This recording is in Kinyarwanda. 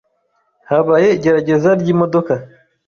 Habaye igerageza ry’imodoka